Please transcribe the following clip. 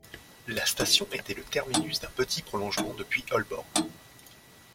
La station était le terminus d'un petit prolongement depuis Holborn.